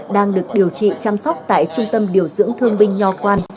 đang được điều trị chăm sóc tại trung tâm điều dưỡng thương binh nho quan